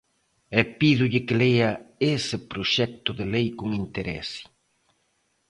E pídolle que lea ese proxecto de lei con interese.